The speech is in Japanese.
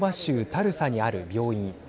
タルサにある病院。